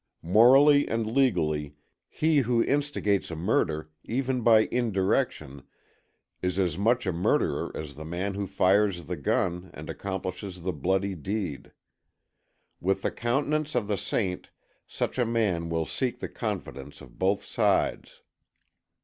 Morally and legally, he who instigates a murder, even by indirection, is as much a murderer as the man who fires the gun and accomplishes the bloody deed. With the countenance of the saint such a man will seek the confidence of both sides.